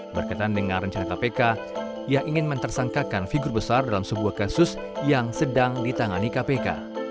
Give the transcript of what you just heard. berkaitan dengan rencana kpk ia ingin mentersangkakan figur besar dalam sebuah kasus yang sedang ditangani kpk